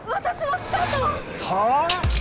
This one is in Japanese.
はあ！？